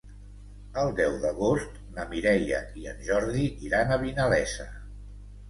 El deu d'agost na Mireia i en Jordi iran a Vinalesa.